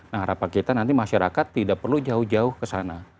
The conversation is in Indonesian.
nah harapan kita nanti masyarakat tidak perlu jauh jauh ke sana